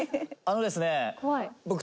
あのですね僕。